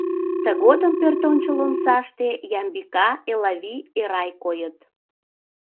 Тыгодым пӧртӧнчыл омсаште Ямбика, Элавий, Эрай койыт.